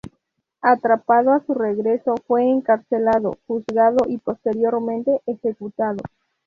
Atrapado a su regreso, fue encarcelado, juzgado y posteriormente ejecutado.